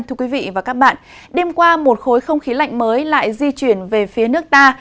thưa quý vị và các bạn đêm qua một khối không khí lạnh mới lại di chuyển về phía nước ta